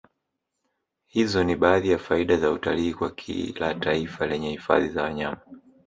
Hizo ni baadhi ya faida za utalii kwa kila taifa lenye hifadhi za wanyama